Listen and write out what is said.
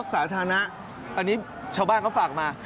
สาธารณะอันนี้ชาวบ้านเขาฝากมา